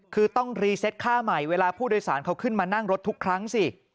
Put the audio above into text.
คือต้องรีเซตค่าใหม่เวลาผู้โดยสารเขาขึ้นมานั่งรถทุกครั้งสิ